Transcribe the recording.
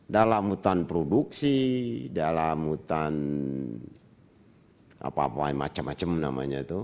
dalam hutan produksi dalam hutan apa apa macam macam namanya itu